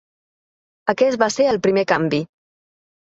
Aquest va ser el primer canvi.